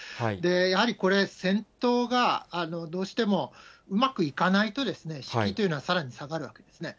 やはりこれ、戦闘がどうしてもうまくいかないと、士気というのはさらに下がるわけですね。